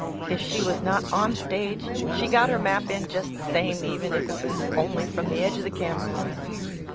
If shq was not on stage, she got her map in just the same, even if it was only from the edge of the camera line.